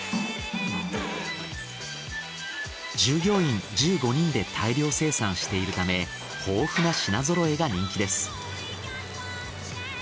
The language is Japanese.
従業員１５人で大量生産しているため豊富な品揃えが人気です。